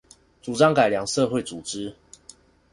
主張改良社會組織